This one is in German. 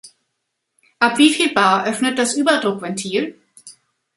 Ab wie viel Bar öffnet das Überdruckventil?